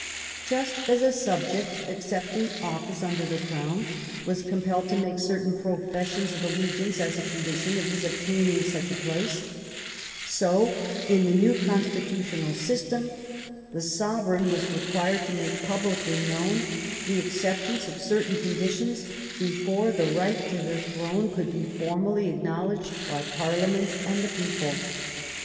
Just as a sub ject accepting office under the crown was compelled to make certain professions of allegiance as a condi tion of his obtaining such a place, so in the new con stitutional system the sovereign was required to make publicly known the acceptance of certain conditions before the right to the throne could be formally ac knowledged by Parliament and the people.